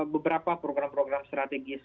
beberapa program program strategis